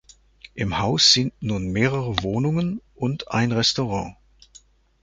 Im Haus sind nun mehrere Wohnungen und ein Restaurant.